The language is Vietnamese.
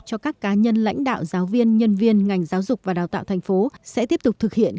cho các cá nhân lãnh đạo giáo viên nhân viên ngành giáo dục và đào tạo thành phố sẽ tiếp tục thực hiện